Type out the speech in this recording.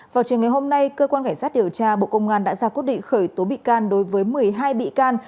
vào trường ngày hôm nay cơ quan cảnh sát điều tra bộ công an đã ra quyết định khởi tố bị can đối với một mươi hai bị can